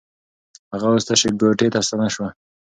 هغه اوس تشې کوټې ته ستنه شوه.